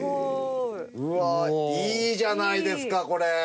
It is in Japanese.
うわいいじゃないですかこれ。